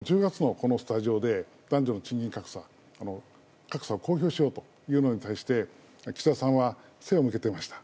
去年の１０月もこのスタジオで男女の賃金格差格差を公表しようというのに対して、岸田さんは背を向けていました。